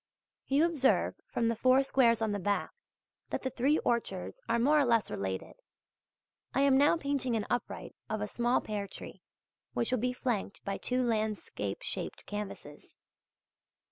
You observe, from the four squares on the back, that the three orchards are more or less related. I am now painting an upright of a small pear tree, which will be flanked by two landscape shaped canvases.